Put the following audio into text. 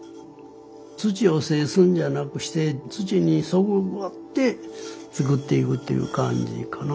土を制すんじゃなくして土にそぐわって作っていくっていう感じかな。